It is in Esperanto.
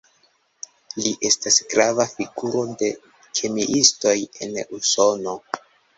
Li estas grava figuro de kemiistoj en Usono.